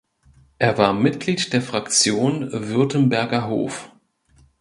Er war Mitglied der Fraktion Württemberger Hof.